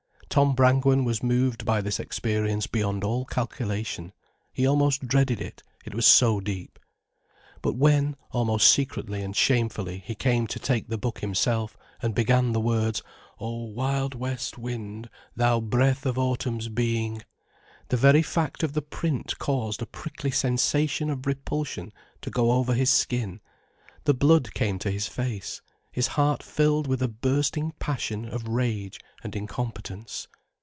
Tom Brangwen was moved by this experience beyond all calculation, he almost dreaded it, it was so deep. But when, almost secretly and shamefully, he came to take the book himself, and began the words "Oh wild west wind, thou breath of autumn's being," the very fact of the print caused a prickly sensation of repulsion to go over his skin, the blood came to his face, his heart filled with a bursting passion of rage and incompetence.